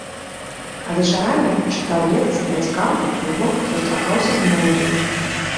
А вечарамі чытаў лекцыі бацькам у клубах, сустракаўся з моладдзю.